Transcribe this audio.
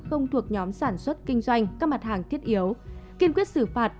không thuộc nhóm sản xuất kinh doanh các mặt hàng thiết yếu kiên quyết xử phạt